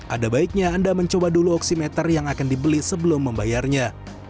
ada baiknya anda mencoba dulu oksimeter yang akan dibeli sebelum membayarnya